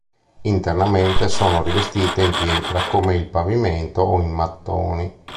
Internamente sono rivestite in pietra come il pavimento o in mattoni.